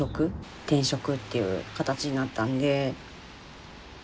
転職っていう形になったんで。